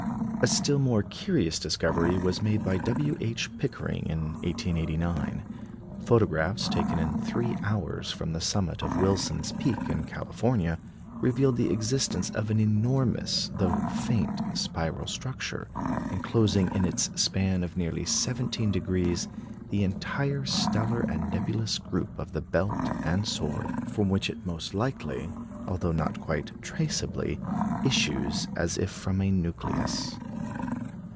A still more curious discovery was made by W. H. Pickering in 1889. Photographs taken in three hours from the summit of Wilson's Peak in California revealed the existence of an enormous, though faint spiral structure, enclosing in its span of nearly seventeen degrees the entire stellar and nebulous group of the Belt and Sword, from which it most likely, although not quite traceably, issues as if from a nucleus.